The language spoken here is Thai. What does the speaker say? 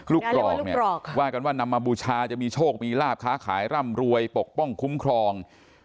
กรอกเนี่ยว่ากันว่านำมาบูชาจะมีโชคมีลาบค้าขายร่ำรวยปกป้องคุ้มครอง